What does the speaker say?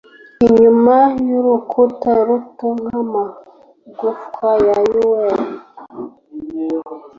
inyuma y'urukuta ruto nk'amagufwa ya wren?